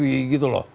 ya rabbi gitu loh